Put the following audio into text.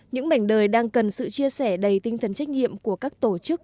những mảnh đời đang cần sự chia sẻ đầy tinh thần trách nhiệm của các tổ chức